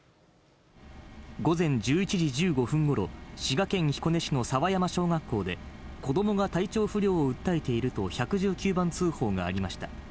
午前１１時１５分ごろ、滋賀県彦根市の佐和山小学校で、子どもが体調不良を訴えていると１１９番通報がありました。